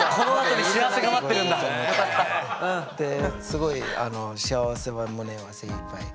すごい幸せは胸はせいいっぱい。